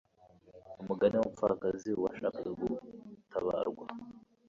Umugani w'umupfakazi washakaga gutabarwa,